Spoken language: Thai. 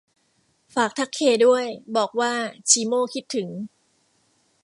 ฝากทักเคด้วย บอกว่าชีโม่คิดถึง